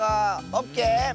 オッケー！